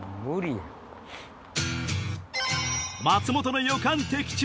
松本の予感的中！